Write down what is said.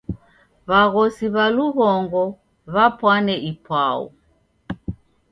W'aghosi w'a lughongo w'apwane ipwau.